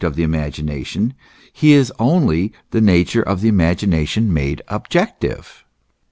75 of the imagination, he is only the nature of the imagination made objective.